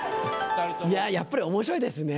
いややっぱり面白いですね。